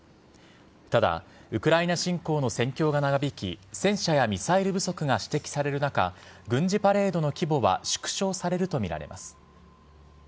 ただ、ウクライナ侵攻の戦況が長引き、戦車やミサイル不足が指摘される中、軍事パレードの規模は縮小されると見られます。